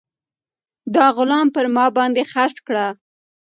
دا غلام پر ما باندې خرڅ کړه.